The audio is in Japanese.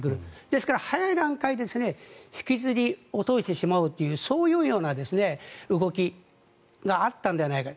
ですから、早い段階で引きずり落としてしまおうというそういうような動きがあったのではないか。